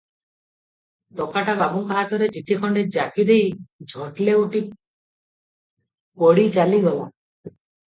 ଟୋକାଟା ବାବୁଙ୍କ ହାତରେ ଚିଠି ଖଣ୍ଡେ ଯାକି ଦେଇ ଝଟ୍ ଲେଉଟି ପଡ଼ି ଚାଲିଗଲା ।